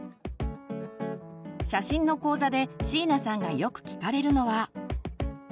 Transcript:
写真の講座で椎名さんがよく聞かれるのは。